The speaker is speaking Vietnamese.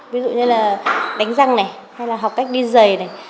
ví dụ như là đánh răng này hay là học cách đi dày này